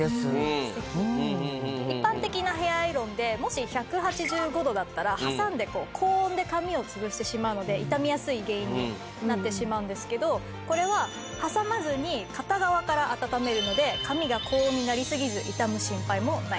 一般的なヘアアイロンでもし１８５度だったら挟んで高温で髪を潰してしまうので傷みやすい原因になってしまうんですけどこれは挟まずに片側から温めるので髪が高温になりすぎず傷む心配もないです。